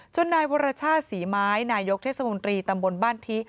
นายวรชาติศรีไม้นายกเทศมนตรีตำบลบ้านทิ